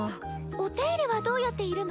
お手入れはどうやっているの？